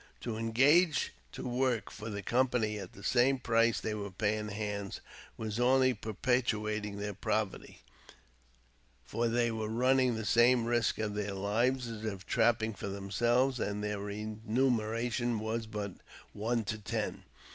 To engage to work for the company at the price they were paying hands was only perpetuating their poverty ; for they were run ning the same risk of their lives as if trapping for themselves, and their remuneration was but as one to ten.